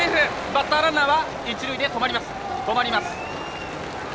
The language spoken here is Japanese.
バッターランナーは一塁で止まります。